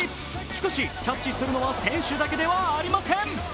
しかし、キャッチするのは選手だけではありません。